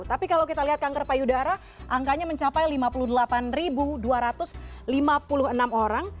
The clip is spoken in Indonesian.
tapi kalau kita lihat kanker payudara angkanya mencapai lima puluh delapan dua ratus lima puluh enam orang